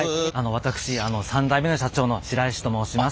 私あの３代目の社長の白石と申します。